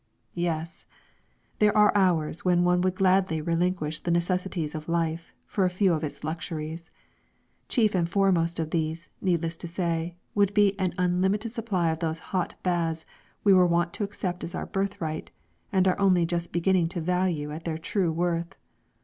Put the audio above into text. Yes! There are hours when one would gladly relinquish the necessities of life for a few of its luxuries. Chief and foremost of these, needless to say, would be an unlimited supply of those hot baths we were wont to accept as our birthright, and are only just beginning to value at their true worth.